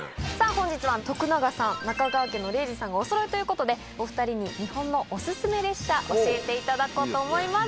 本日は徳永さん中川家の礼二さんおそろいということでお２人に日本のお薦め列車教えていただこうと思います。